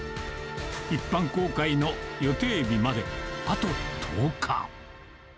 一般公開の予定日まで、あと１０日。